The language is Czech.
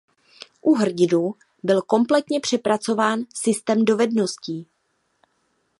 U hrdinů byl kompletně přepracován systém dovedností.